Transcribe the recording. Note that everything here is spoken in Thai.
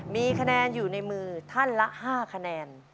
มีคะแนนอยู่ในมือท่านละ๕คะแนน